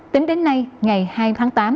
tính đến nay ngày hai tháng tám